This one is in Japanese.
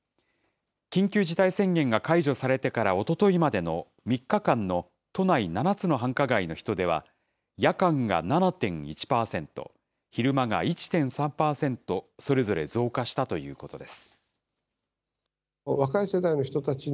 緊急事態宣言が解除されてからおとといまでの３日間の都内７つの繁華街の人出は、夜間が７．１％、昼間が１．３％、それぞれ増加したということです。